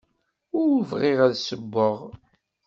Ur bɣiɣ ad ssewweɣ.